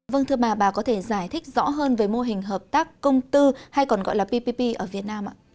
vâng thưa bà bà có thể giải thích rõ hơn về mô hình hợp tác công tư hay còn gọi là ppp ở việt nam ạ